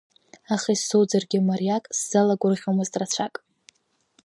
Аха исоуӡаргьы мариак, сзалагәырӷьомызт рацәак!